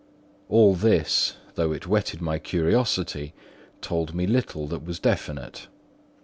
All this, though it whetted my curiosity, told me little that was definite.